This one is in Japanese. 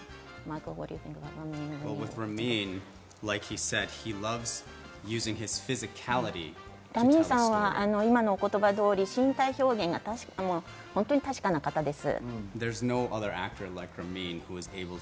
ラミンさんは今のお言葉通り、身体表現が確かな方です。